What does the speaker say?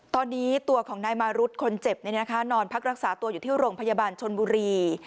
ตอนนี้ตัวของนายมารุธคนเจ็บนอนพักรักษาตัวอยู่ที่โรงพยาบาลชนบุรี